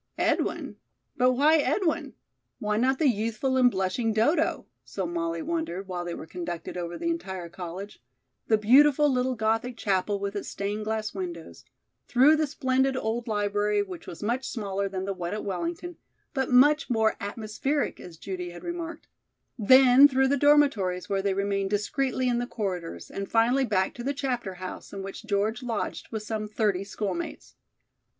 Edwin! But why Edwin? Why not the youthful and blushing Dodo? So Molly wondered, while they were conducted over the entire college; the beautiful little Gothic chapel with its stained glass windows; through the splendid old library which was much smaller than the one at Wellington, but much more "atmospheric" as Judy had remarked; then through the dormitories where they remained discreetly in the corridors, and finally back to the Chapter House, in which George lodged with some thirty schoolmates.